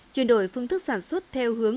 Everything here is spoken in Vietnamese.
chuyển đổi phương thức sản xuất theo hướng